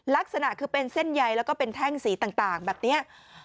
ลักษณะคือเป็นเส้นใยแล้วก็เป็นแท่งสีต่างแบบนี้